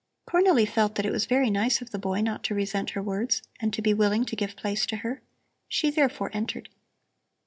Cornelli felt that it was very nice of the boy not to resent her words and to be willing to give place to her. She therefore entered.